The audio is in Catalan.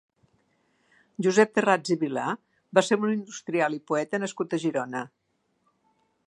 Josep Tharrats i Vilà va ser un industrial i poeta nascut a Girona.